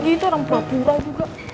jadi itu orang tua tua juga